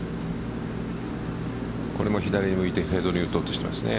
これも左に向いてフェードに打とうとしていますね。